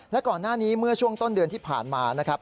และก่อนหน้านี้เมื่อช่วงต้นเดือนที่ผ่านมานะครับ